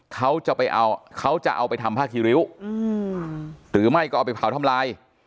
เขาจะไปเอาเขาจะเอาไปทำผ้าคีริ้วหรือไม่ก็เอาไปเผาทำลาย